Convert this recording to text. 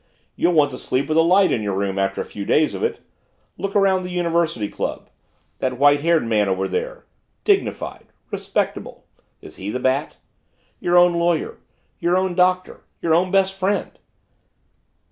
You'll want to sleep with a light in your room after a few days of it. Look around the University Club that white haired man over there dignified respectable is he the Bat? Your own lawyer your own Doctor your own best friend.